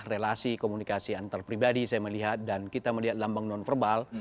relasi komunikasi antar pribadi saya melihat dan kita melihat lambang non verbal